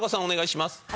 お願いします。